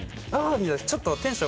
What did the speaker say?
みたいなちょっとテンション